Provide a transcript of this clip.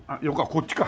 こっちか。